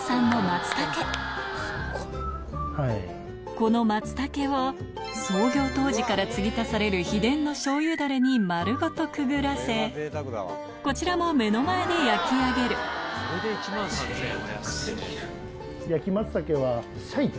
この松茸を創業当時からつぎ足される秘伝の醤油ダレに丸ごとくぐらせこちらも目の前で焼き上げる焼き松茸は裂いて。